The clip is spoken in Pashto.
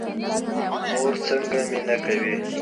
مور څنګه مینه کوي؟